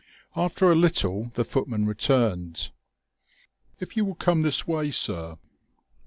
After a little the footman returned. "If you will come this way, sir...."